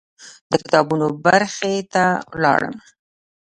د کتابونو برخې ته لاړم.